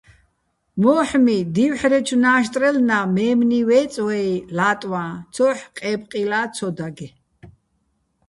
მო́ჰ̦მი დი́ვჰ̦რეჩო̆ ნა́ჟტრელნა́ მე́მნი ვე́წე̆ ვაჲ ლა́ტვაჼ, ცო́ჰ̦ ყე́პყჲილა́ ცო დაგე̆.